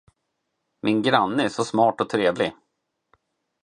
Min granne är så smart och trevlig.